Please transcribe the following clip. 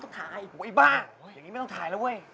แข็งของใหญ่อะ